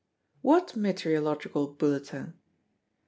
"What meteorological bulletin?"